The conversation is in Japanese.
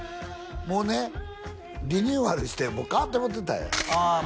もうねリニューアルして変わってもうてたんやああ